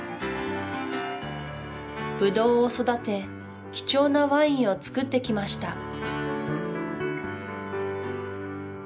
ブドウを育て貴重なワインを造ってきました